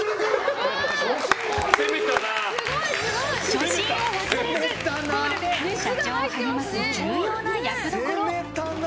初心を忘れずコールで社長を励ます重要な役どころ。